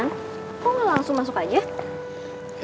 rahman kok lo langsung masuk aja